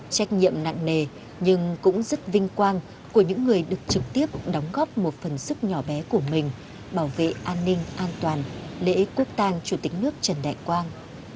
trách nhiệm nặng nề nhưng cũng rất vinh quang của những người được trực tiếp đóng góp một phần sức nhỏ bé của mình bảo vệ an ninh an toàn lễ quốc tàng chủ tịch nước trần đại quang